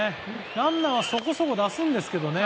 ランナーはそこそこ出すんですけどね